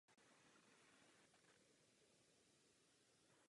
V Budapešti a Vídni pak absolvoval vysokoškolská studia lékařství.